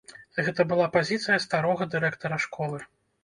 Гэта была пазіцыя старога дырэктара школы.